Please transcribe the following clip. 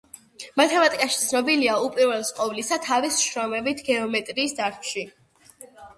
მათემატიკაში ცნობილია, უპირველეს ყოვლისა, თავისი შრომებით გეომეტრიის დარგში.